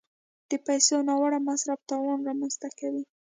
د پیسو ناوړه مصرف تاوان رامنځته کوي.